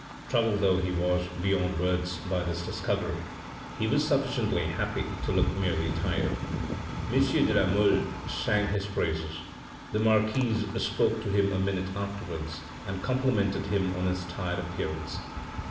Troubled though he was beyond words by this discovery, he was sufficiently happy to look merely tired. M. de la Mole sang his praises. The marquise spoke to him a minute afterwards and complimented him on his tired appearance.